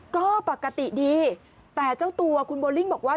ก็ปกติดีแต่เจ้าตัวคุณโบลิ่งบอกว่า